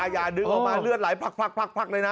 อย่าดึงออกมาเลือดไหลพักเลยนะ